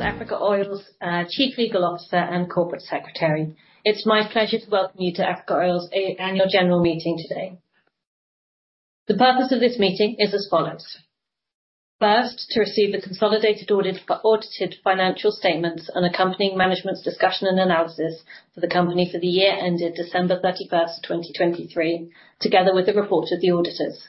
Africa Oil's Chief Legal Officer and Corporate Secretary. It's my pleasure to welcome you to Africa Oil's Annual General Meeting today. The purpose of this meeting is as follows: First, to receive a consolidated audit, audited financial statements and accompanying management's discussion and analysis for the company for the year ended December 31, 2023, together with a report of the auditors.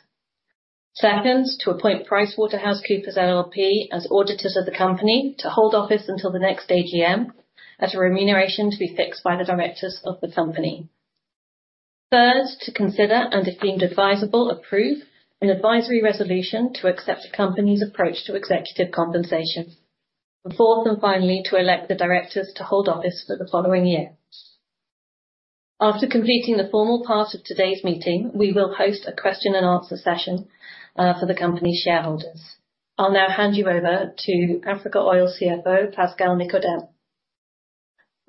Second, to appoint PricewaterhouseCoopers LLP as auditors of the company to hold office until the next AGM, at a remuneration to be fixed by the directors of the company. Third, to consider, and if deemed advisable, approve an advisory resolution to accept the company's approach to executive compensation. And fourth and finally, to elect the directors to hold office for the following year. After completing the formal part of today's meeting, we will host a question and answer session for the company's shareholders. I'll now hand you over to Africa Oil CFO, Pascal Nicodeme.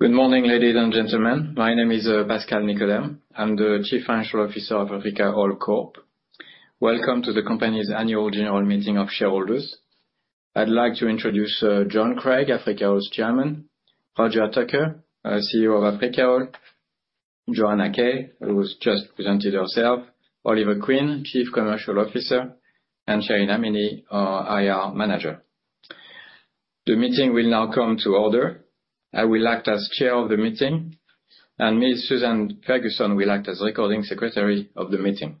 Good morning, ladies and gentlemen. My name is Pascal Nicodeme. I'm the Chief Financial Officer of Africa Oil Corp. Welcome to the company's Annual General Meeting of shareholders. I'd like to introduce John Craig, Africa Oil's chairman, Roger Tucker, our CEO of Africa Oil, Joan Kay, who has just presented herself, Oliver Quinn, Chief Commercial Officer, and Shahin Amini, our IR Manager. The meeting will now come to order. I will act as chair of the meeting, and Ms. Susan Ferguson will act as recording secretary of the meeting.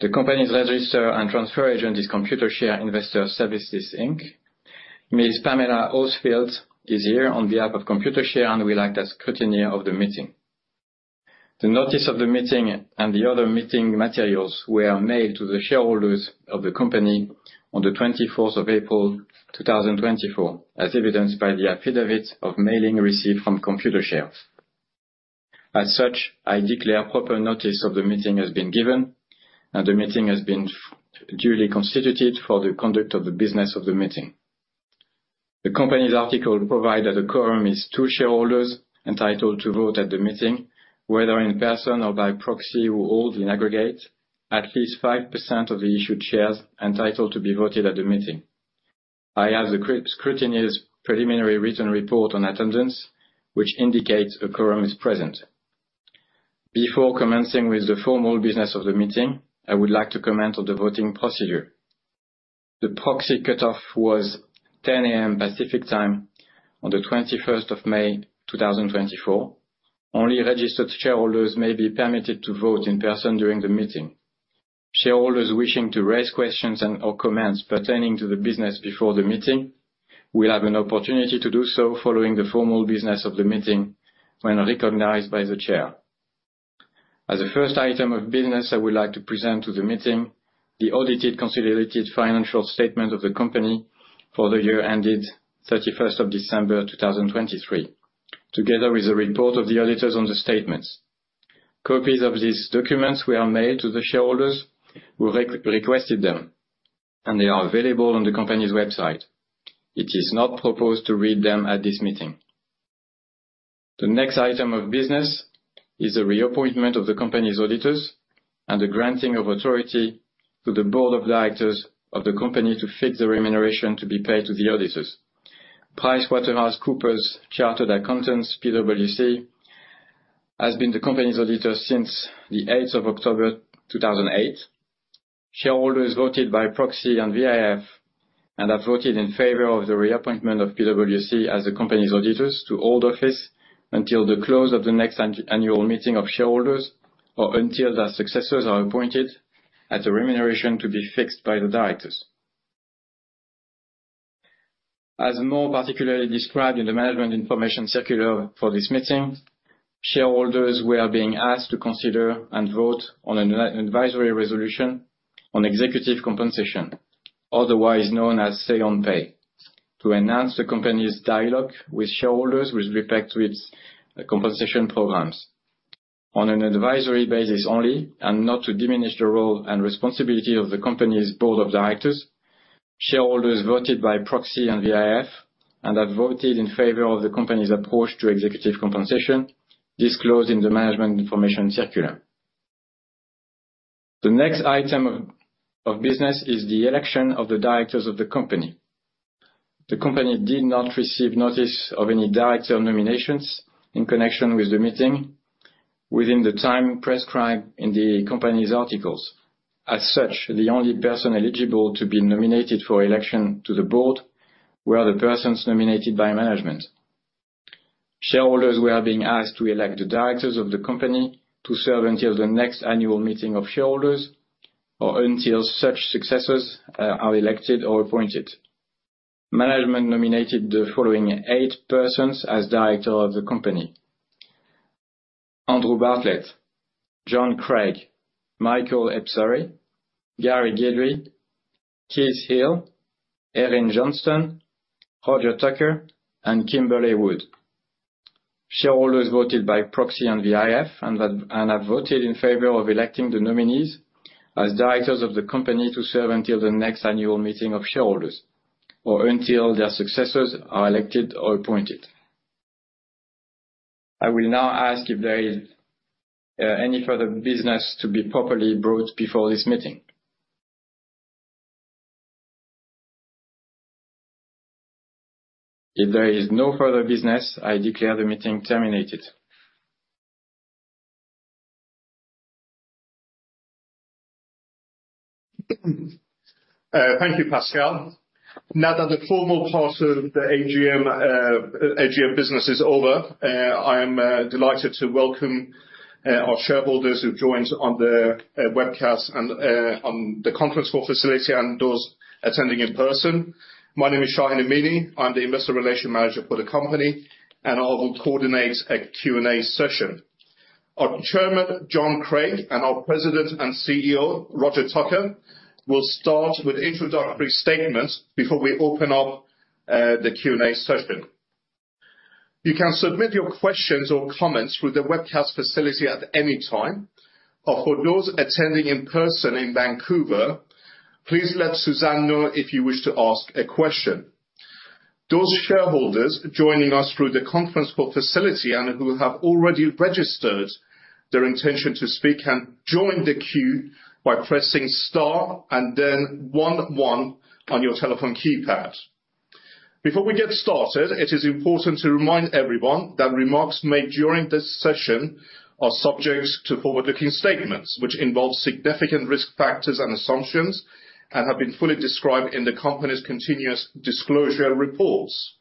The company's register and transfer agent is Computershare Investor Services Inc. Ms. Pamela Horsfield is here on behalf of Computershare and will act as scrutineer of the meeting. The notice of the meeting and the other meeting materials were mailed to the shareholders of the company on the twenty-fourth of April, two thousand and twenty-four, as evidenced by the affidavit of mailing received from Computershare. As such, I declare proper notice of the meeting has been given, and the meeting has been duly constituted for the conduct of the business of the meeting. The company's article provide that a quorum is two shareholders entitled to vote at the meeting, whether in person or by proxy, who hold, in aggregate, at least 5% of the issued shares entitled to be voted at the meeting. I have the scrutineer's preliminary written report on attendance, which indicates a quorum is present. Before commencing with the formal business of the meeting, I would like to comment on the voting procedure. The proxy cutoff was 10:00 A.M. Pacific Time on the 21st of May, 2024. Only registered shareholders may be permitted to vote in person during the meeting. Shareholders wishing to raise questions and/or comments pertaining to the business before the meeting will have an opportunity to do so following the formal business of the meeting, when recognized by the chair. As the first item of business, I would like to present to the meeting the audited, consolidated financial statement of the company for the year ended 31st of December, 2023, together with a report of the auditors on the statements. Copies of these documents were mailed to the shareholders who requested them, and they are available on the company's website. It is not proposed to read them at this meeting. The next item of business is the reappointment of the company's auditors and the granting of authority to the Board of Directors of the company to fix the remuneration to be paid to the auditors. PricewaterhouseCoopers LLP, PwC, has been the company's auditor since the eighth of October, 2008. Shareholders voted by proxy on the VIF, and have voted in favor of the reappointment of PwC as the company's auditors to hold office until the close of the next Annual Meeting of Shareholders, or until their successors are appointed at the remuneration to be fixed by the directors. As more particularly described in the Management Information Circular for this meeting, shareholders were being asked to consider and vote on an advisory resolution on executive compensation, otherwise known as Say on Pay, to enhance the company's dialogue with shareholders with respect to its compensation programs. On an advisory basis only, and not to diminish the role and responsibility of the company's Board of Directors, shareholders voted by proxy on the Say on Pay, and have voted in favor of the company's approach to executive compensation, disclosed in the Management Information Circular. The next item of business is the election of the directors of the company. The company did not receive notice of any director nominations in connection with the meeting, within the time prescribed in the company's articles. As such, the only person eligible to be nominated for election to the board were the persons nominated by management. Shareholders were being asked to elect the directors of the company to serve until the next Annual Meeting of Shareholders, or until such successors are elected or appointed. Management nominated the following eight persons as director of the company: Andrew Bartlett, John Craig, Michael Ebsary, Gary Guidry, Keith Hill, Erin Johnston, Roger Tucker, and Kimberly Wood. Shareholders voted by proxy on the VIF, and have voted in favor of electing the nominees as directors of the company to serve until the next Annual Meeting of Shareholders, or until their successors are elected or appointed. I will now ask if there is any further business to be properly brought before this meeting? If there is no further business, I declare the meeting terminated. Thank you, Pascal. Now that the formal part of the AGM business is over, I am delighted to welcome our shareholders who've joined on the webcast and on the conference call facility and those attending in person. My name is Shahin Amini. I'm the Investor Relations Manager for the company, and I will coordinate a Q&A session. Our Chairman, John Craig, and our President and CEO, Roger Tucker, will start with introductory statements before we open up the Q&A session. You can submit your questions or comments through the webcast facility at any time, or for those attending in person in Vancouver, please let Susan know if you wish to ask a question. Those shareholders joining us through the conference call facility and who have already registered their intention to speak can join the queue by pressing star and then one, one on your telephone keypad. Before we get started, it is important to remind everyone that remarks made during this session are subject to forward-looking statements, which involve significant risk factors and assumptions, and have been fully described in the company's continuous disclosure reports.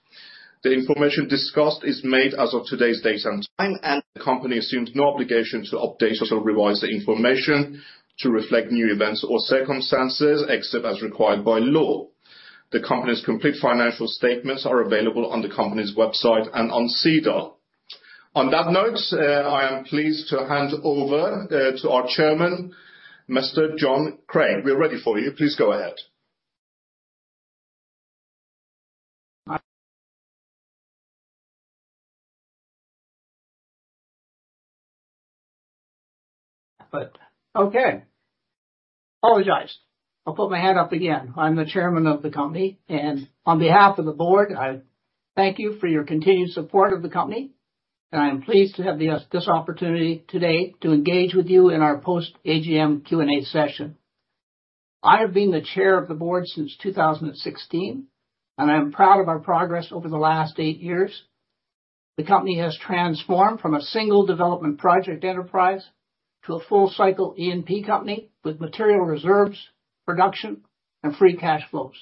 The information discussed is made as of today's date and time, and the company assumes no obligation to update or to revise the information to reflect new events or circumstances, except as required by law. The company's complete financial statements are available on the company's website and on SEDAR. On that note, I am pleased to hand over to our chairman, Mr. John Craig. We're ready for you. Please go ahead. But, okay. Apologize. I'll put my hand up again. I'm the chairman of the company, and on behalf of the board, I thank you for your continued support of the company, and I'm pleased to have this, this opportunity today to engage with you in our post-AGM Q&A session. I have been the chair of the board since 2016, and I'm proud of our progress over the last eight years. The company has transformed from a single development project enterprise to a full cycle E&P company with material reserves, production, and free cash flows.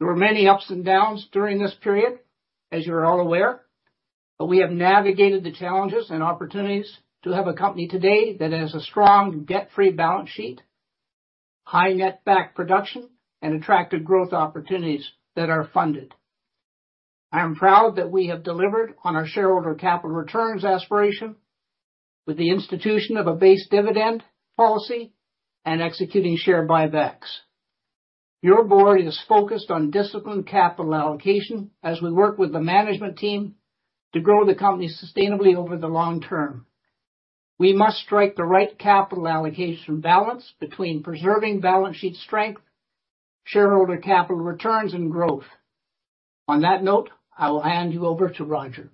There were many ups and downs during this period, as you are all aware, but we have navigated the challenges and opportunities to have a company today that has a strong debt-free balance sheet, high netback production, and attractive growth opportunities that are funded. I am proud that we have delivered on our shareholder capital returns aspiration with the institution of a base dividend policy and executing share buybacks. Your board is focused on disciplined capital allocation as we work with the management team to grow the company sustainably over the long term. We must strike the right capital allocation balance between preserving balance sheet strength, shareholder capital returns, and growth. On that note, I will hand you over to Roger.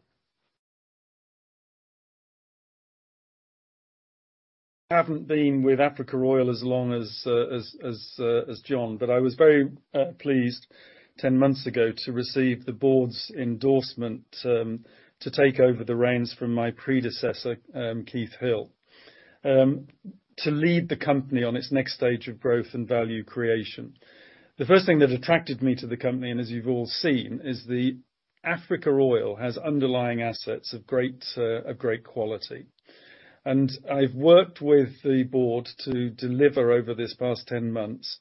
I haven't been with Africa Oil as long as John, but I was very pleased 10 months ago to receive the board's endorsement, to take over the reins from my predecessor, Keith Hill, to lead the company on its next stage of growth and value creation. The first thing that attracted me to the company, and as you've all seen, is the Africa Oil has underlying assets of great quality. I've worked with the board to deliver, over this past 10 months,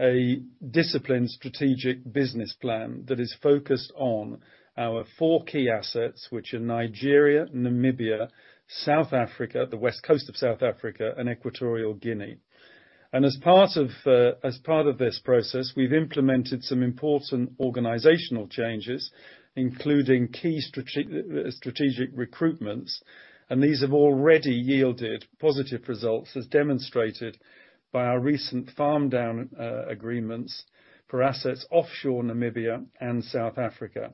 a disciplined strategic business plan that is focused on our four key assets, which are Nigeria, Namibia, South Africa, the west coast of South Africa, and Equatorial Guinea. And as part of this process, we've implemented some important organizational changes, including key strategic recruitments, and these have already yielded positive results, as demonstrated by our recent farm down agreements for assets offshore Namibia and South Africa.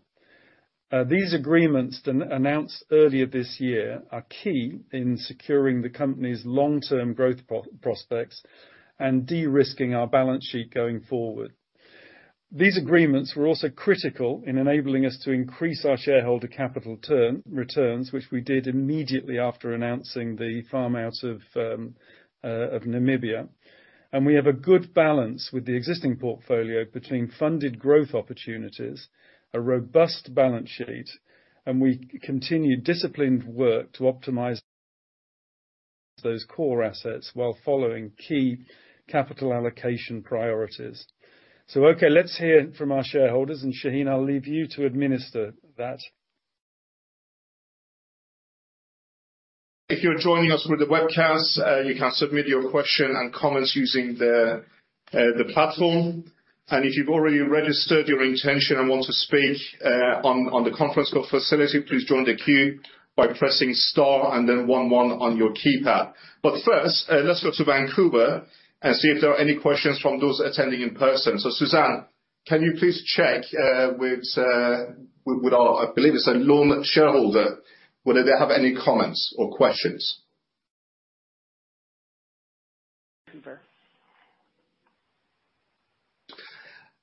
These agreements, then announced earlier this year, are key in securing the company's long-term growth prospects and de-risking our balance sheet going forward. These agreements were also critical in enabling us to increase our shareholder capital returns, which we did immediately after announcing the farm out of Namibia. And we have a good balance with the existing portfolio between funded growth opportunities, a robust balance sheet, and we continue disciplined work to optimize those core assets while following key capital allocation priorities. So okay, let's hear from our shareholders, and Shahin, I'll leave you to administer that. If you're joining us through the webcast, you can submit your question and comments using the platform. And if you've already registered your intention and want to speak, on the conference call facility, please join the queue by pressing star and then one one on your keypad. But first, let's go to Vancouver and see if there are any questions from those attending in person. So Susan? Can you please check with our, I believe it's a online shareholder, whether they have any comments or questions?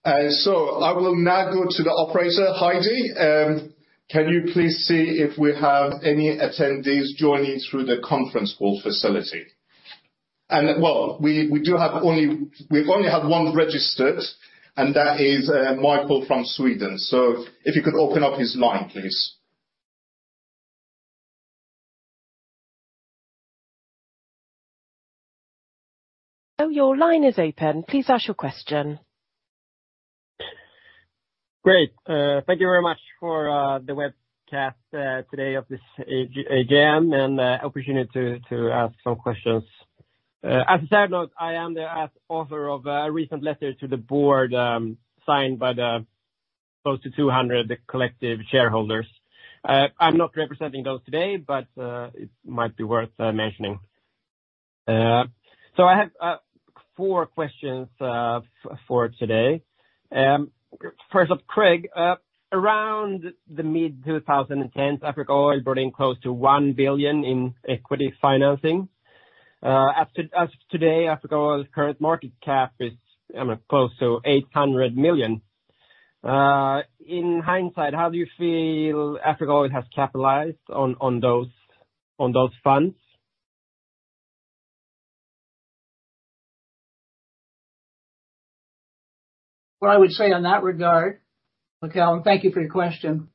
So I will now go to the operator. Heidi, can you please see if we have any attendees joining through the conference call facility? And well, we do have only—we've only had one registered, and that is Michael from Sweden. So if you could open up his line, please. Your line is open. Please ask your question. Great. Thank you very much for the webcast today of this AGM and opportunity to ask some questions. As a side note, I am the author of a recent letter to the board, signed by close to 200 collective shareholders. I'm not representing those today, but it might be worth mentioning. So I have four questions for today. First off, Craig, around mid-2010, Africa Oil brought in close to $1 billion in equity financing. As of today, Africa Oil's current market cap is, I mean, close to $800 million. In hindsight, how do you feel Africa Oil has capitalized on those funds? What I would say in that regard, Michael, and thank you for your question,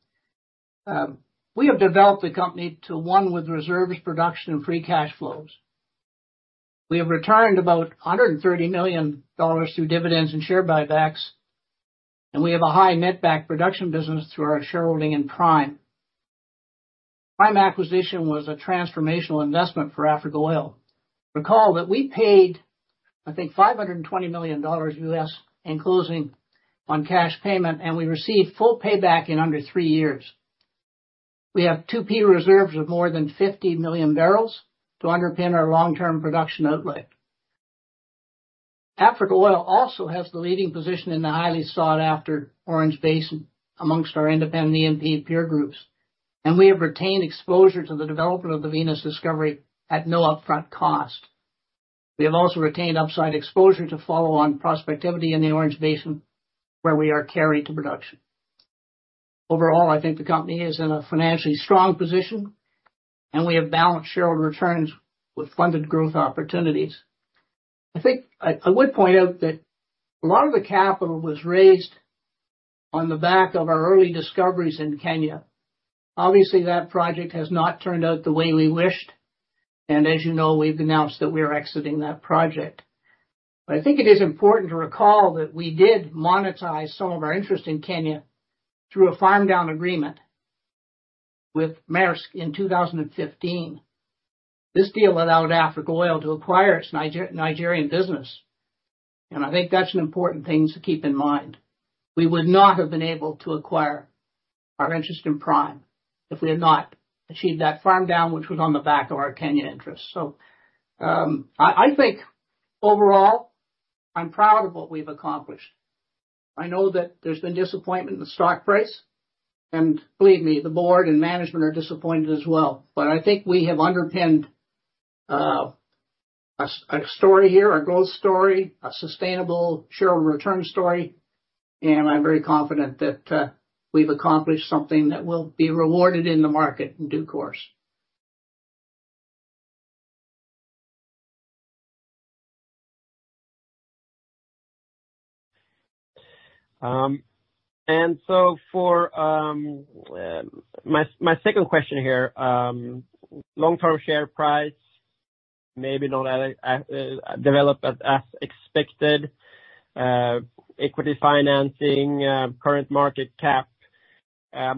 we have developed the company to one with reserves, production and free cash flows. We have returned about $130 million through dividends and share buybacks, and we have a high net back production business through our shareholding in Prime. Prime acquisition was a transformational investment for Africa Oil. Recall that we paid, I think, $520 million in closing on cash payment, and we received full payback in under three years. We have 2P reserves of more than 50 million barrels to underpin our long-term production outlay. Africa Oil also has the leading position in the highly sought after Orange Basin amongst our independent E&P peer groups, and we have retained exposure to the development of the Venus discovery at no upfront cost. We have also retained upside exposure to follow on prospectivity in the Orange Basin, where we are carried to production. Overall, I think the company is in a financially strong position, and we have balanced shareholder returns with funded growth opportunities. I think I, I would point out that a lot of the capital was raised on the back of our early discoveries in Kenya. Obviously, that project has not turned out the way we wished, and as you know, we've announced that we are exiting that project. But I think it is important to recall that we did monetize some of our interest in Kenya through a farm down agreement with Maersk in 2015. This deal allowed Africa Oil to acquire its Nigerian business, and I think that's an important thing to keep in mind. We would not have been able to acquire our interest in Prime if we had not achieved that farm down, which was on the back of our Kenya interest. So, I think overall, I'm proud of what we've accomplished. I know that there's been disappointment in the stock price, and believe me, the board and management are disappointed as well. But I think we have underpinned a story here, a growth story, a sustainable shareholder return story, and I'm very confident that we've accomplished something that will be rewarded in the market in due course. And so for my second question here, long-term share price, maybe not developed as expected, equity financing, current market cap. How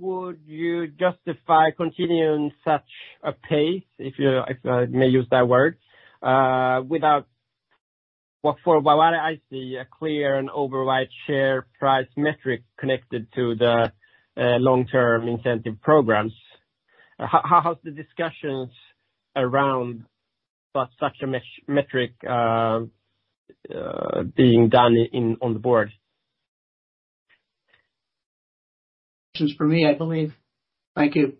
would you justify continuing such a pace, if you may use that word, without... Well, what I see a clear and outright share price metric connected to the long-term incentive programs. How's the discussions around such a metric being done in on the board? Just for me, I believe. Thank you.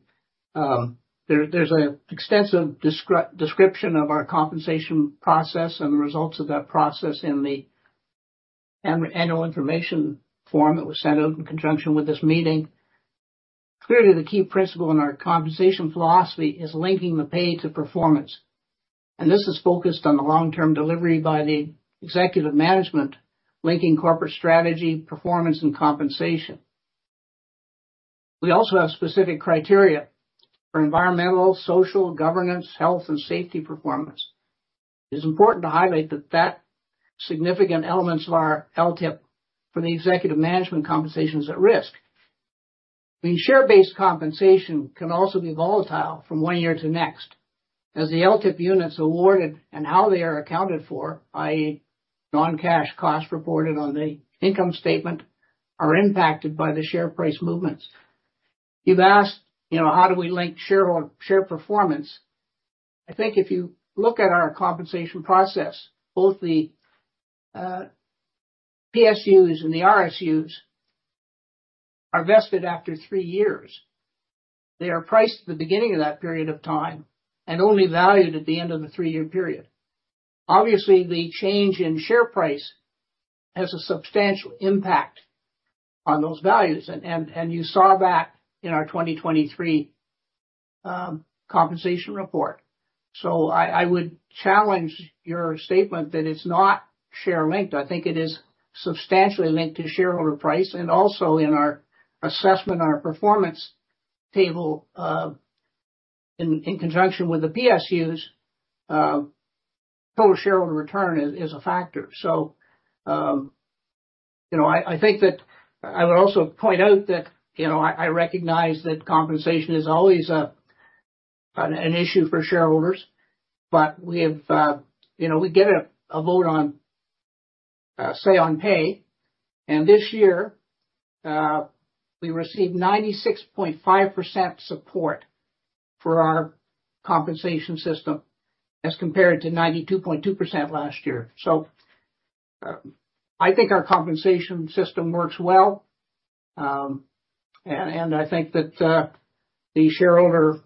There's an extensive description of our compensation process and the results of that process in the Annual Information Form that was sent out in conjunction with this meeting. Clearly, the key principle in our compensation philosophy is linking the pay to performance, and this is focused on the long-term delivery by the executive management, linking corporate strategy, performance, and compensation. We also have specific criteria for environmental, social, governance, health, and safety performance. It's important to highlight that significant elements of our LTIP for the executive management compensation is at risk.... The share-based compensation can also be volatile from one year to next, as the LTIP units awarded and how they are accounted for, i.e., non-cash costs reported on the income statement, are impacted by the share price movements. You've asked, you know, how do we link share performance? I think if you look at our compensation process, both the PSUs and the RSUs are vested after three years. They are priced at the beginning of that period of time, and only valued at the end of the three-year period. Obviously, the change in share price has a substantial impact on those values, and you saw that in our 2023 compensation report. So I would challenge your statement that it's not share linked. I think it is substantially linked to shareholder price, and also in our assessment, our performance table in conjunction with the PSUs, total shareholder return is a factor. So, you know, I would also point out that, you know, I recognize that compensation is always an issue for shareholders, but we have, you know, we get a vote on Say on Pay. And this year, we received 96.5% support for our compensation system, as compared to 92.2% last year. So, I think our compensation system works well, and I think that the shareholder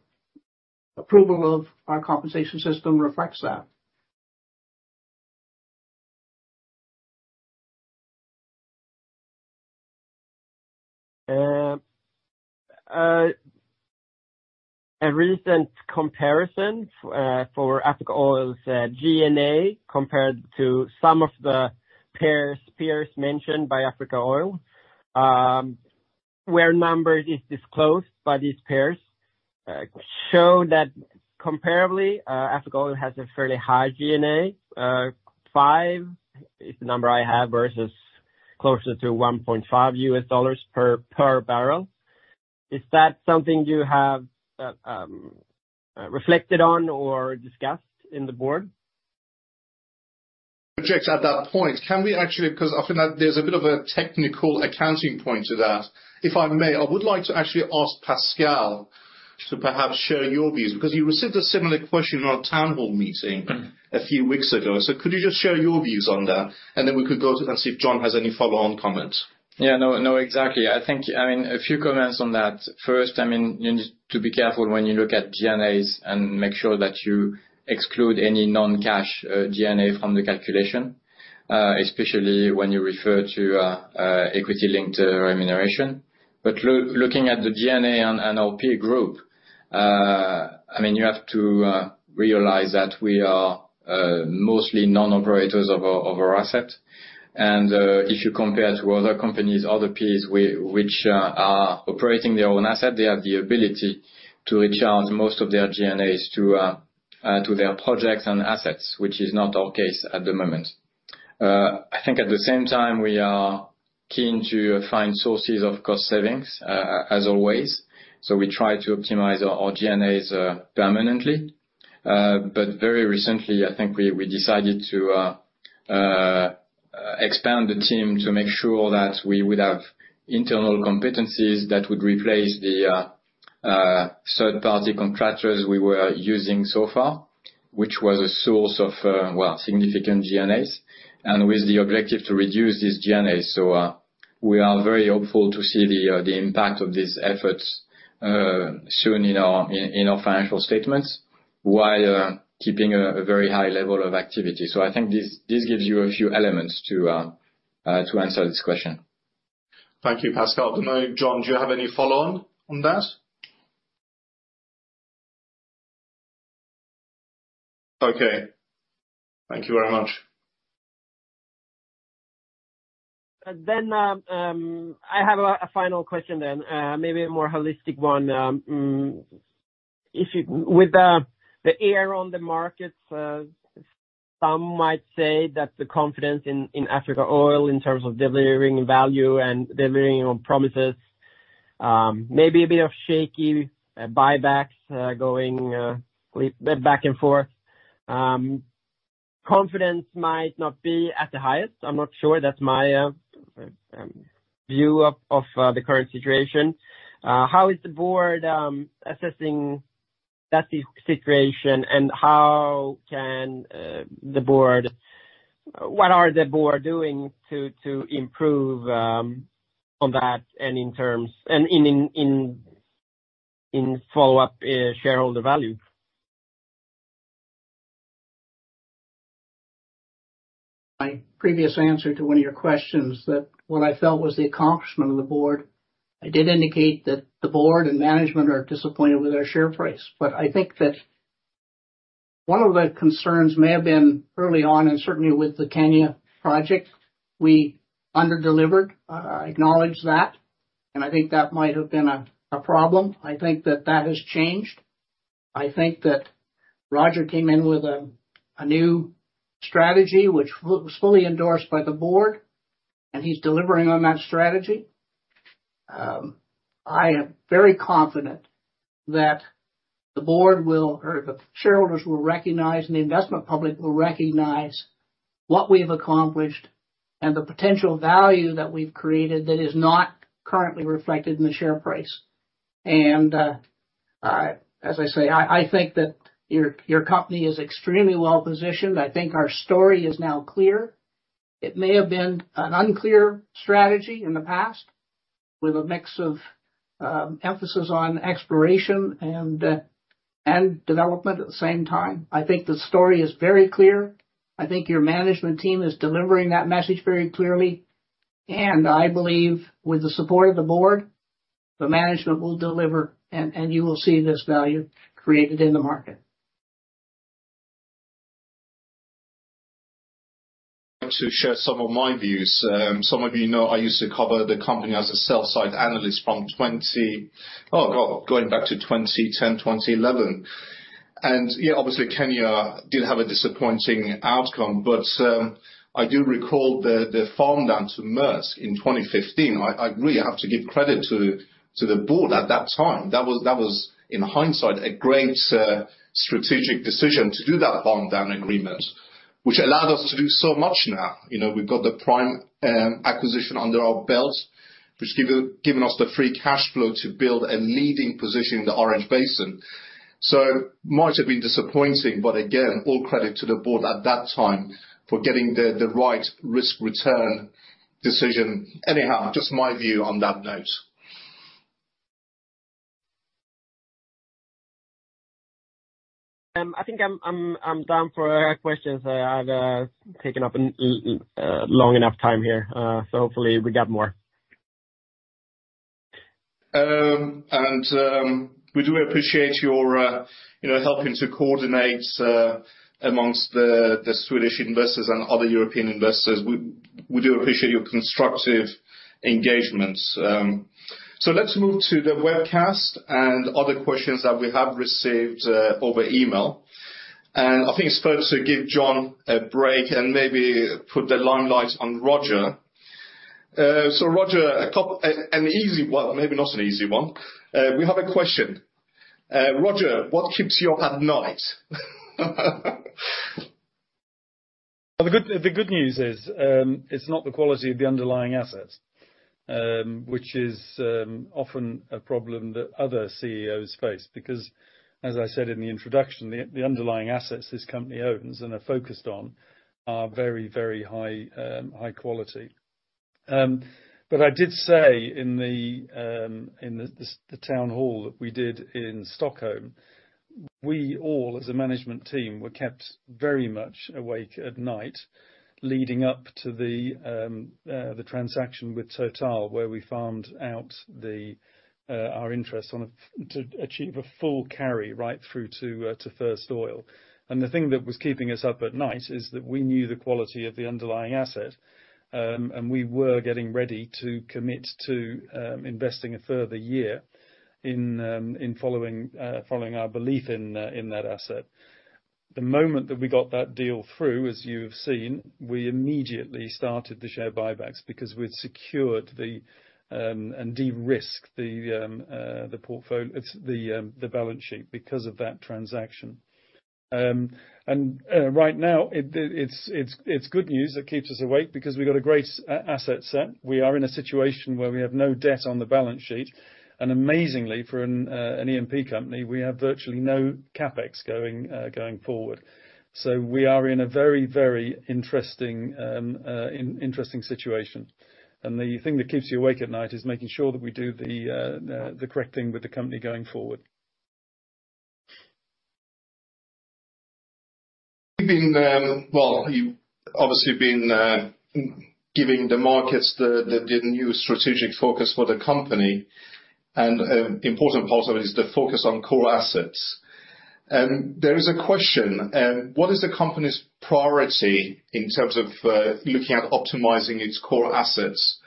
approval of our compensation system reflects that. A recent comparison for Africa Oil's G&A, compared to some of the peers mentioned by Africa Oil, where numbers is disclosed by these peers, show that comparably, Africa Oil has a fairly high G&A. 5 is the number I have, versus closer to $1.5 per barrel. Is that something you have reflected on or discussed in the board?... Projects at that point. Can we actually, because often there's a bit of a technical accounting point to that, if I may, I would like to actually ask Pascal to perhaps share your views, because you received a similar question in our town hall meeting a few weeks ago. So could you just share your views on that, and then we could go to and see if John has any follow-on comments? Yeah, no, no, exactly. I think, I mean, a few comments on that. First, I mean, you need to be careful when you look at G&A and make sure that you exclude any non-cash G&A from the calculation, especially when you refer to equity-linked remuneration. But looking at the G&A on our peer group, I mean, you have to realize that we are mostly non-operators of our assets. And if you compare to other companies, other peers, which are operating their own asset, they have the ability to recharge most of their G&A to their projects and assets, which is not our case at the moment. I think at the same time, we are keen to find sources of cost savings, as always, so we try to optimize our G&As permanently. But very recently, I think we decided to expand the team to make sure that we would have internal competencies that would replace the third-party contractors we were using so far, which was a source of, well, significant G&As, and with the objective to reduce these G&As. So, we are very hopeful to see the impact of these efforts soon in our financial statements, while keeping a very high level of activity. So I think this gives you a few elements to answer this question. Thank you, Pascal. I don't know, John, do you have any follow-on on that? Okay. Thank you very much. Then, I have a final question then, maybe a more holistic one. If you-- with the air on the markets, some might say that the confidence in Africa Oil, in terms of delivering value and delivering on promises, may be a bit shaky, buybacks going back and forth. Confidence might not be at the highest. I'm not sure. That's my view of the current situation. How is the board assessing that situation, and how can the board... What are the board doing to improve on that, and in terms, and in follow-up, shareholder value? My previous answer to one of your questions, that what I felt was the accomplishment of the board, I did indicate that the board and management are disappointed with our share price. But I think that one of the concerns may have been early on, and certainly with the Kenya project, we under-delivered. I acknowledge that, and I think that might have been a problem. I think that has changed... I think that Roger came in with a new strategy, which was fully endorsed by the board, and he's delivering on that strategy. I am very confident that the board will, or the shareholders will recognize, and the investment public will recognize what we've accomplished and the potential value that we've created that is not currently reflected in the share price. As I say, I think that your company is extremely well positioned. I think our story is now clear. It may have been an unclear strategy in the past, with a mix of emphasis on exploration and development at the same time. I think the story is very clear. I think your management team is delivering that message very clearly, and I believe with the support of the board, the management will deliver, and you will see this value created in the market. To share some of my views. Some of you know, I used to cover the company as a sell-side analyst from 2010—oh, God—going back to 2010, 2011. Yeah, obviously, Kenya did have a disappointing outcome, but I do recall the, the farm down to Maersk in 2015. I, I agree, I have to give credit to, to the board at that time. That was, that was, in hindsight, a great strategic decision to do that farm down agreement, which allowed us to do so much now. You know, we've got the Prime acquisition under our belt, which given us the free cash flow to build a leading position in the Orange Basin. Might have been disappointing, but again, all credit to the board at that time for getting the, the right risk-return decision. Anyhow, just my view on that note. I think I'm done for questions. I've taken up long enough time here, so hopefully we got more. We do appreciate your, you know, helping to coordinate amongst the Swedish investors and other European investors. We do appreciate your constructive engagement. Let's move to the webcast and other questions that we have received over email. I think it's first to give John a break and maybe put the limelight on Roger. Roger, an easy one. Well, maybe not an easy one. We have a question. Roger, what keeps you up at night? Well, the good news is, it's not the quality of the underlying assets, which is often a problem that other CEOs face, because as I said in the introduction, the underlying assets this company owns and are focused on are very, very high quality. But I did say in the town hall that we did in Stockholm, we all, as a management team, were kept very much awake at night, leading up to the transaction with Total, where we farmed out our interest to achieve a full carry right through to first oil. And the thing that was keeping us up at night is that we knew the quality of the underlying asset, and we were getting ready to commit to investing a further year in following our belief in that asset. The moment that we got that deal through, as you have seen, we immediately started the share buybacks because we'd secured and de-risked the balance sheet because of that transaction. And right now, it's good news that keeps us awake because we've got a great asset set. We are in a situation where we have no debt on the balance sheet, and amazingly, for an E&P company, we have virtually no CapEx going forward. We are in a very, very interesting situation. The thing that keeps you awake at night is making sure that we do the correct thing with the company going forward. You've been, well, you've obviously been giving the markets the new strategic focus for the company, and important part of it is the focus on core assets. There is a question: what is the company's priority in terms of looking at optimizing its core assets?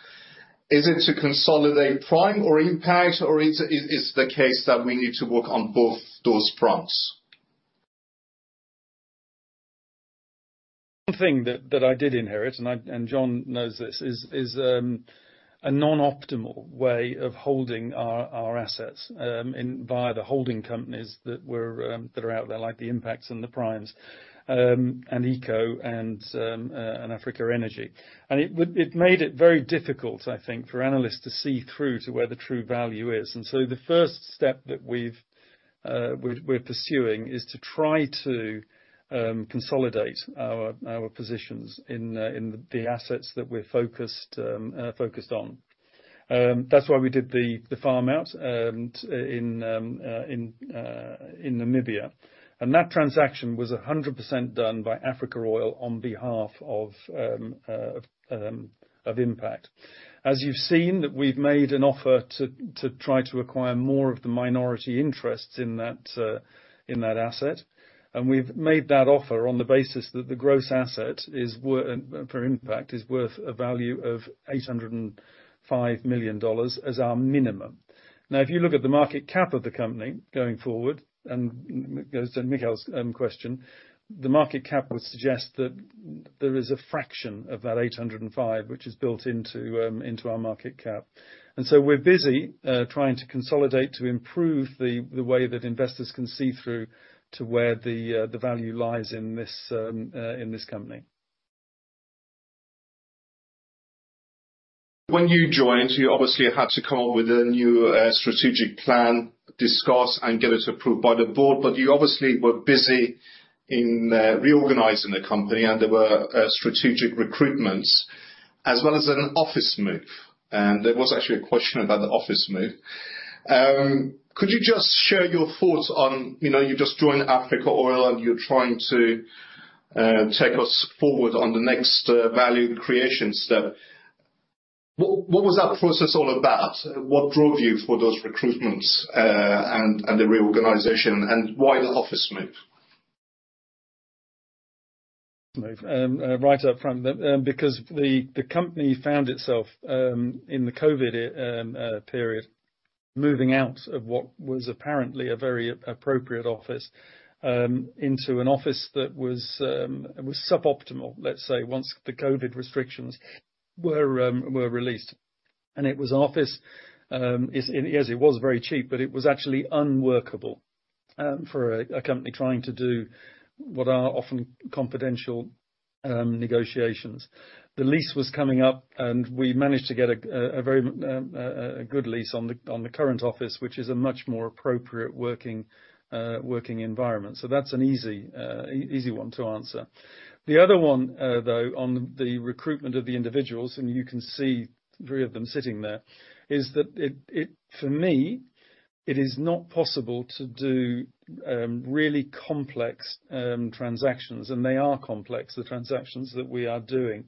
Is it to consolidate Prime or Impact, or is it the case that we need to work on both those fronts? One thing that I did inherit, and John knows this, is a non-optimal way of holding our assets via the holding companies that are out there, like the Impact and the Prime, and Eco and Africa Energy. And it made it very difficult, I think, for analysts to see through to where the true value is. And so the first step that we're pursuing is to try to consolidate our positions in the assets that we're focused on. That's why we did the farm out in Namibia. And that transaction was 100% done by Africa Oil on behalf of Impact. As you've seen, that we've made an offer to try to acquire more of the minority interests in that asset. And we've made that offer on the basis that the gross asset is worth, for Impact, is worth a value of $805 million as our minimum. Now, if you look at the market cap of the company going forward, and goes to Michael's question, the market cap would suggest that there is a fraction of that $805 million, which is built into our market cap. And so we're busy trying to consolidate to improve the way that investors can see through to where the value lies in this company.... When you joined, you obviously had to come up with a new, strategic plan, discuss and get it approved by the board. But you obviously were busy in, reorganizing the company, and there were, strategic recruitments as well as an office move. And there was actually a question about the office move. Could you just share your thoughts on, you know, you've just joined Africa Oil, and you're trying to, take us forward on the next, value creation step. What, what was that process all about? What drove you for those recruitments, and, and the reorganization, and why the office move? Right up front, because the company found itself in the COVID period, moving out of what was apparently a very appropriate office into an office that was suboptimal, let's say, once the COVID restrictions were released. And it was office, it yes, it was very cheap, but it was actually unworkable for a company trying to do what are often confidential negotiations. The lease was coming up, and we managed to get a very a good lease on the on the current office, which is a much more appropriate working working environment. So that's an easy easy one to answer. The other one, though, on the recruitment of the individuals, and you can see three of them sitting there, is that it for me, it is not possible to do really complex transactions, and they are complex, the transactions that we are doing,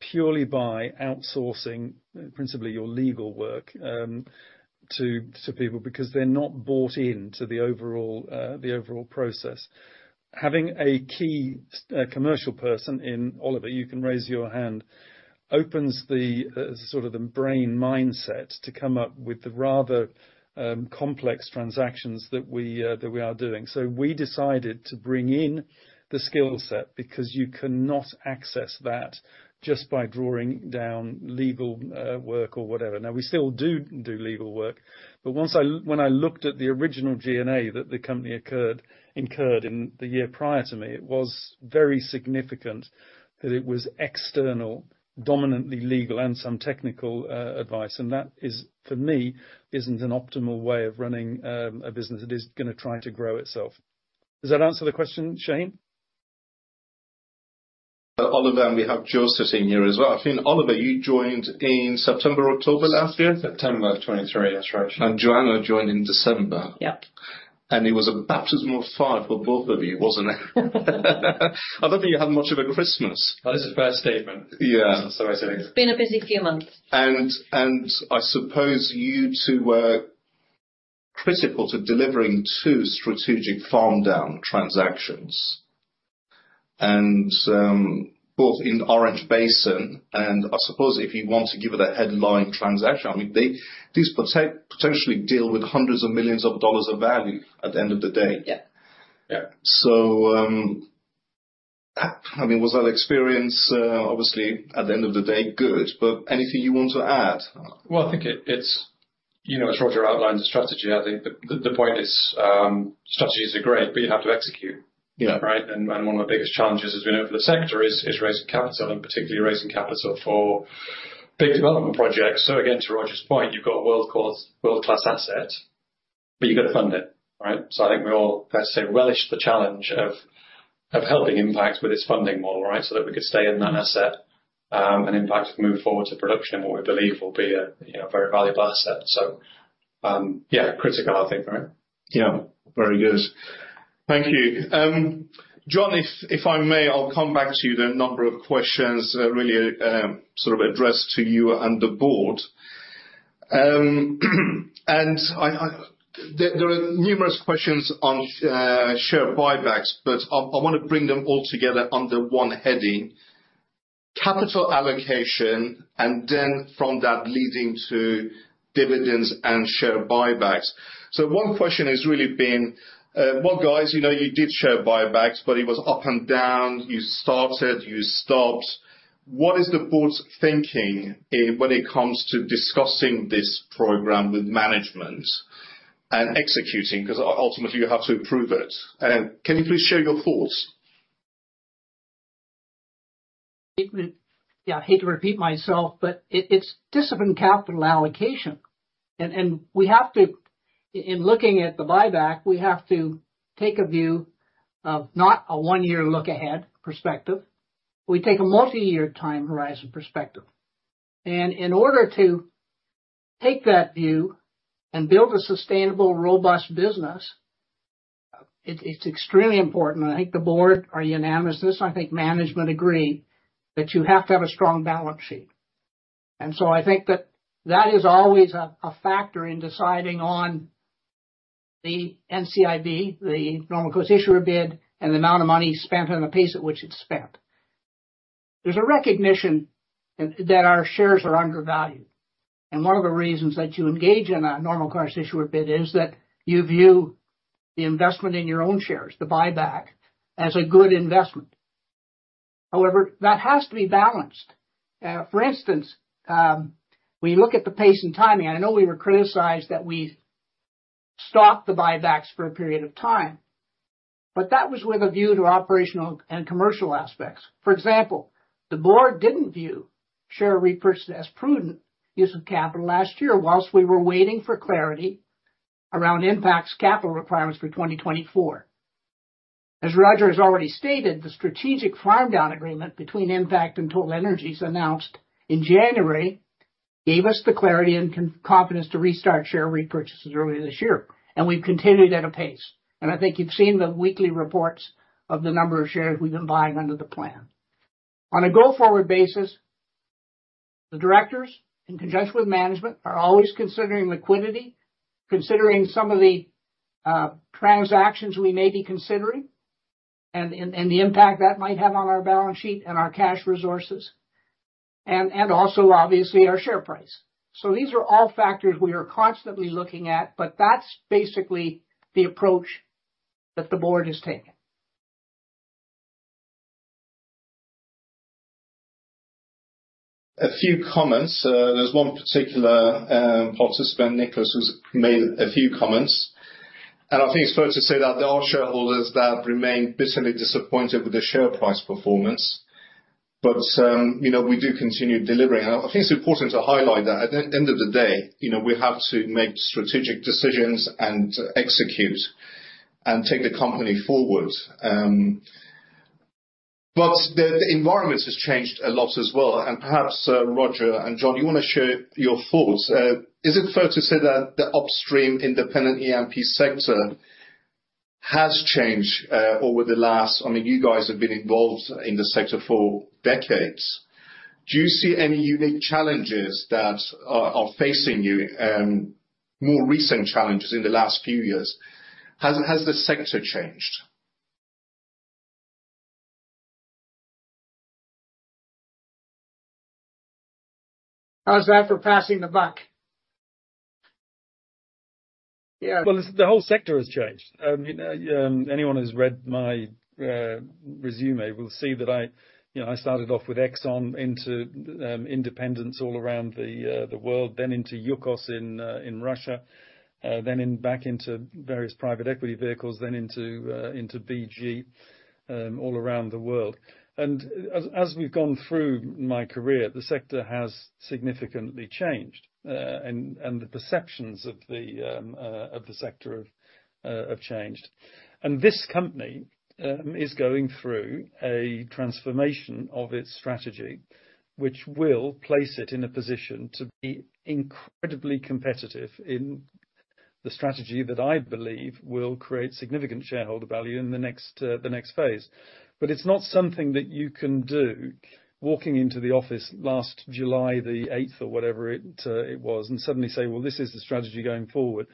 purely by outsourcing, principally your legal work to people because they're not bought in to the overall process. Having a key commercial person in Oliver, you can raise your hand, opens the sort of brain mindset to come up with the rather complex transactions that we are doing. So we decided to bring in the skill set because you cannot access that just by drawing down legal work or whatever. Now, we still do legal work, but when I looked at the original G&A that the company incurred in the year prior to me, it was very significant that it was external, dominantly legal and some technical advice, and that, for me, isn't an optimal way of running a business that is gonna try to grow itself. Does that answer the question, Shane? Oliver, and we have Joan sitting here as well. I think, Oliver, you joined in September or October last year? September of 2023, that's right. Joan joined in December. Yep. It was a baptism of fire for both of you, wasn't it? I don't think you had much of a Christmas. That is a fair statement. Yeah. Sorry. It's been a busy few months. I suppose you two were critical to delivering two strategic farm down transactions, and both in Orange Basin, and I suppose if you want to give it a headline transaction, I mean, these potentially deal with hundreds of millions of dollars of value at the end of the day. Yeah. Yeah. I mean, was that experience, obviously, at the end of the day, good, but anything you want to add? Well, I think it's, you know, as Roger outlined the strategy, I think the point is, strategies are great, but you have to execute. Yeah. Right? And one of the biggest challenges, as we know, for the sector is raising capital, and particularly raising capital for big development projects. So again, to Roger's point, you've got a world-class asset, but you've got to fund it, right? So I think we all, fair to say, relished the challenge of helping Impact with its funding model, right? So, yeah, critical, I think, right? Yeah. Very good. Thank you. John, if I may, I'll come back to you. There are a number of questions that are really, sort of addressed to you and the board. And there are numerous questions on share buybacks, but I wanna bring them all together under one heading: capital allocation, and then from that, leading to dividends and share buybacks. So one question has really been: well, guys, you know, you did share buybacks, but it was up and down. You started, you stopped. What is the board's thinking in when it comes to discussing this program with management and executing? Because ultimately, you have to approve it. Can you please share your thoughts? Yeah, I hate to repeat myself, but it's disciplined capital allocation. And we have to—in looking at the buyback, we have to take a view of not a one-year look ahead perspective. We take a multi-year time horizon perspective. And in order to take that view and build a sustainable, robust business, it's extremely important, and I think the board are unanimous on this, and I think management agree, that you have to have a strong balance sheet. And so I think that is always a factor in deciding on the NCIB, the normal course issuer bid, and the amount of money spent and the pace at which it's spent. There's a recognition that our shares are undervalued, and one of the reasons that you engage in a normal course issuer bid is that you view the investment in your own shares, the buyback, as a good investment. However, that has to be balanced. For instance, when you look at the pace and timing, I know we were criticized that we stopped the buybacks for a period of time, but that was with a view to operational and commercial aspects. For example, the board didn't view share repurchase as prudent use of capital last year, while we were waiting for clarity around Impact's capital requirements for 2024. As Roger has already stated, the strategic farm down agreement between Impact and TotalEnergies, announced in January, gave us the clarity and confidence to restart share repurchases earlier this year, and we've continued at a pace. And I think you've seen the weekly reports of the number of shares we've been buying under the plan. On a go-forward basis, the directors, in conjunction with management, are always considering liquidity, considering some of the transactions we may be considering, and the impact that might have on our balance sheet and our cash resources, and also, obviously, our share price. So these are all factors we are constantly looking at, but that's basically the approach that the board has taken. A few comments. There's one particular participant, Nicholas, who's made a few comments, and I think it's fair to say that there are shareholders that remain bitterly disappointed with the share price performance. But, you know, we do continue delivering, and I think it's important to highlight that at the end of the day, you know, we have to make strategic decisions and execute, and take the company forward. But the environment has changed a lot as well, and perhaps, Roger and John, you wanna share your thoughts. Is it fair to say that the upstream independent E&P sector has changed, I mean, you guys have been involved in the sector for decades. Do you see any unique challenges that are facing you, more recent challenges in the last few years? Has the sector changed? How's that for passing the buck? Yeah. Well, the whole sector has changed. You know, anyone who's read my resume will see that I, you know, I started off with Exxon into independence all around the world, then into Yukos in Russia, then back into various private equity vehicles, then into BG all around the world. And as we've gone through my career, the sector has significantly changed, and the perceptions of the sector have changed. And this company is going through a transformation of its strategy, which will place it in a position to be incredibly competitive in the strategy that I believe will create significant shareholder value in the next phase. But it's not something that you can do walking into the office last July, the eighth or whatever it was, and suddenly say, "Well, this is the strategy going forward,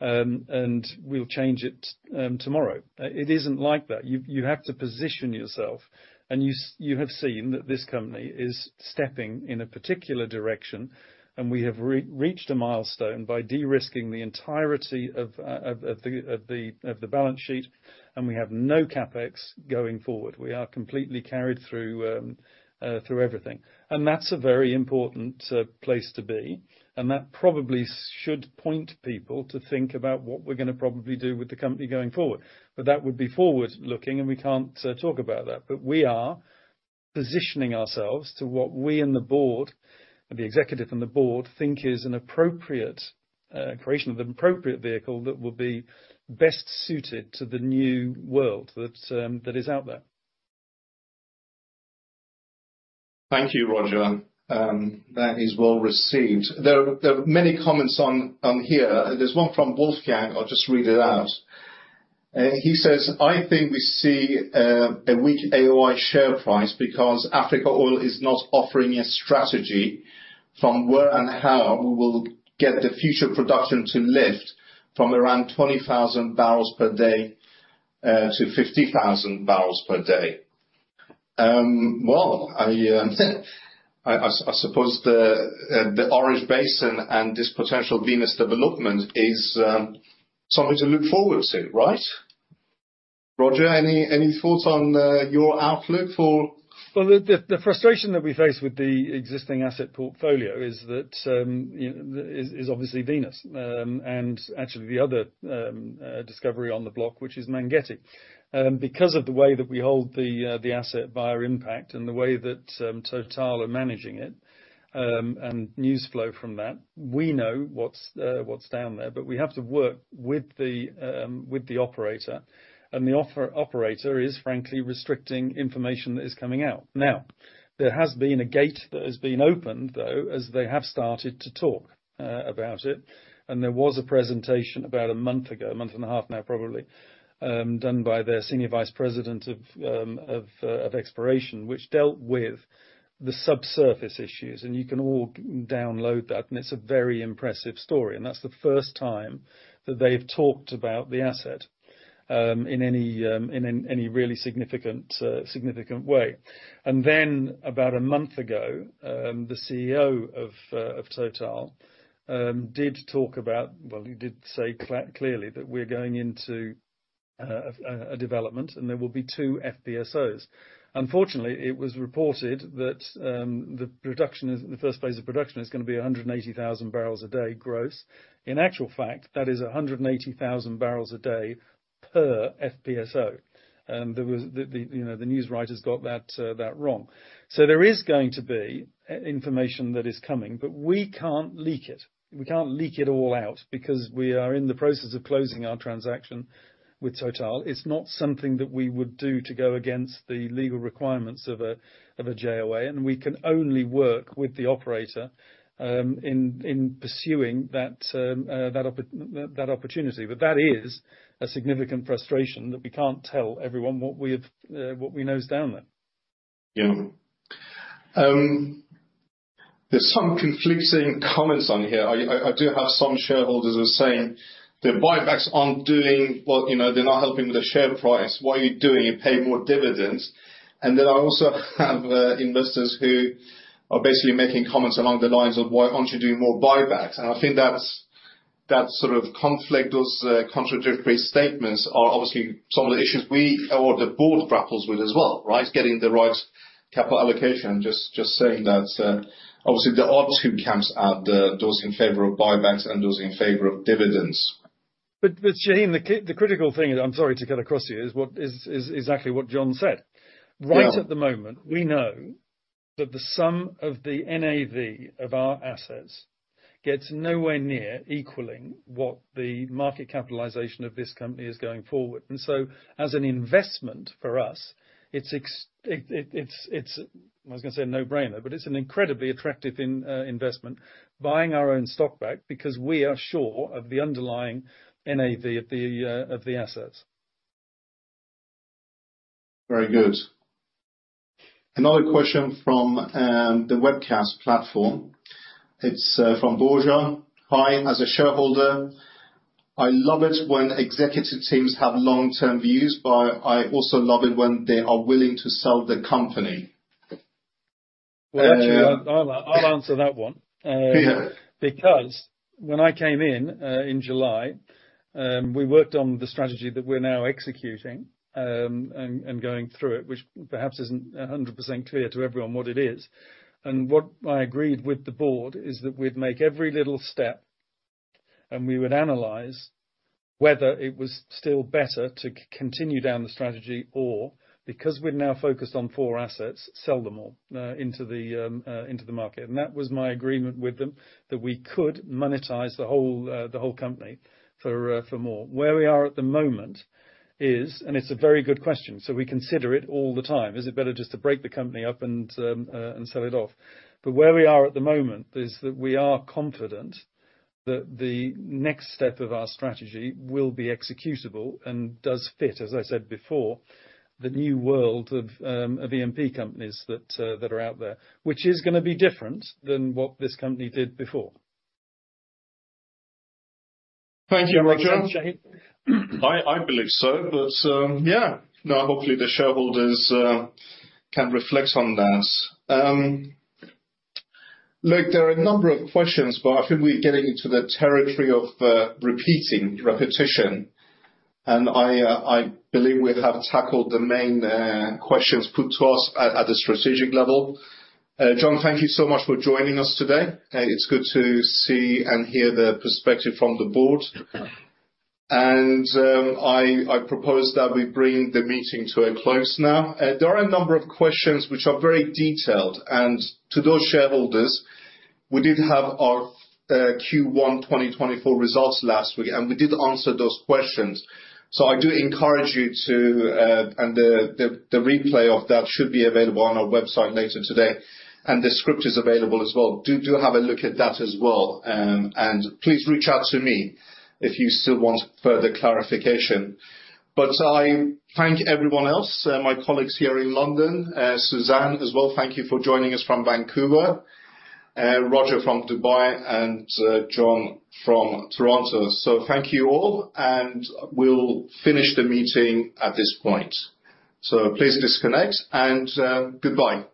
and we'll change it tomorrow." It isn't like that. You have to position yourself, and you have seen that this company is stepping in a particular direction, and we have reached a milestone by de-risking the entirety of the balance sheet, and we have no CapEx going forward. We are completely carried through everything. And that's a very important place to be, and that probably should point people to think about what we're gonna probably do with the company going forward. But that would be forward-looking, and we can't talk about that. But we are positioning ourselves to what we and the board, the executive and the board, think is an appropriate creation of an appropriate vehicle that will be best suited to the new world that is out there. Thank you, Roger. That is well received. There are many comments on here. There's one from Wolfgang. I'll just read it out. He says, "I think we see a weak AOI share price because Africa Oil is not offering a strategy from where and how we will get the future production to lift from around 20,000 barrels per day to 50,000 barrels per day." Well, I suppose the Orange Basin and this potential Venus development is something to look forward to, right? Roger, any thoughts on your outlook for- Well, the frustration that we face with the existing asset portfolio is that, is obviously Venus, and actually the other discovery on the block, which is Mangetti. Because of the way that we hold the asset via Impact, and the way that Total are managing it, and news flow from that, we know what's down there, but we have to work with the operator, and the operator is frankly restricting information that is coming out. Now, there has been a gate that has been opened, though, as they have started to talk about it, and there was a presentation about a month ago, a month and a half now, probably, done by their senior vice president of exploration, which dealt with the subsurface issues, and you can all download that, and it's a very impressive story. And that's the first time that they've talked about the asset in any really significant way. And then, about a month ago, the CEO of Total did talk about - well, he did say clearly that we're going into a development, and there will be two FPSOs. Unfortunately, it was reported that the production is, the first phase of production is gonna be 180,000 barrels a day gross. In actual fact, that is 180,000 barrels a day per FPSO. You know, the news writers got that wrong. So there is going to be information that is coming, but we can't leak it. We can't leak it all out because we are in the process of closing our transaction with Total. It's not something that we would do to go against the legal requirements of a JOA, and we can only work with the operator in pursuing that opportunity. But that is a significant frustration, that we can't tell everyone what we have, what we know is down there. Yeah. There's some conflicting comments on here. I do have some shareholders who are saying that buybacks aren't doing... Well, you know, they're not helping with the share price. What are you doing? You pay more dividends. And then I also have investors who are basically making comments along the lines of, "Why aren't you doing more buybacks?" And I think that's, that sort of conflict, those contradictory statements, are obviously some of the issues we or the board grapples with as well, right? Getting the right capital allocation. Just saying that, obviously, there are two camps out there, those in favor of buybacks and those in favor of dividends. But Shahin, the critical thing, and I'm sorry to cut across you, is exactly what John said. Yeah. Right at the moment, we know that the sum of the NAV of our assets gets nowhere near equaling what the market capitalization of this company is going forward. And so, as an investment for us, it's, I was gonna say a no-brainer, but it's an incredibly attractive investment, buying our own stock back, because we are sure of the underlying NAV of the assets. Very good. Another question from the webcast platform. It's from Borja: "Hi, as a shareholder, I love it when executive teams have long-term views, but I also love it when they are willing to sell the company. Well, actually, I'll, I'll answer that one- Yeah... because when I came in in July, we worked on the strategy that we're now executing, and going through it, which perhaps isn't 100% clear to everyone what it is. And what I agreed with the board is that we'd make every little step, and we would analyze whether it was still better to continue down the strategy or, because we're now focused on four assets, sell them all into the market. And that was my agreement with them, that we could monetize the whole company for more. Where we are at the moment is, and it's a very good question, so we consider it all the time: Is it better just to break the company up and sell it off? But where we are at the moment is that we are confident that the next step of our strategy will be executable and does fit, as I said before, the new world of E&P companies that are out there, which is gonna be different than what this company did before. Thank you, Roger. I believe so, but, yeah. Now, hopefully, the shareholders can reflect on that. Look, there are a number of questions, but I think we're getting into the territory of repeating, repetition. I believe we have tackled the main questions put to us at a strategic level. John, thank you so much for joining us today. It's good to see and hear the perspective from the board. I propose that we bring the meeting to a close now. There are a number of questions which are very detailed, and to those shareholders, we did have our Q1 2024 results last week, and we did answer those questions. So I do encourage you to. And the replay of that should be available on our website later today, and the script is available as well. Do have a look at that as well. And please reach out to me if you still want further clarification. But I thank everyone else, my colleagues here in London. Susan as well, thank you for joining us from Vancouver, Roger from Dubai, and John from Toronto. So thank you all, and we'll finish the meeting at this point. So please disconnect, and goodbye.